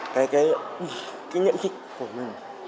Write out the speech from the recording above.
cái nhiệm trích của mình